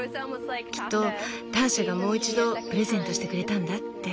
きっとターシャがもう一度プレゼントしてくれたんだって。